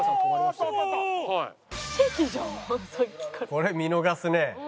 これ見逃すね。